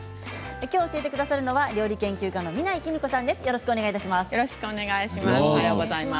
きょう教えてくださるのは料理研究家のよろしくお願いします。